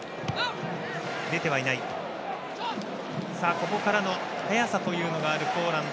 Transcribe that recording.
ここからの速さがあるポーランド。